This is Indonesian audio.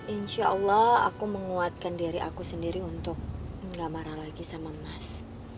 insya allah aku menguatkan diri aku sendiri untuk gak marah lagi sama mas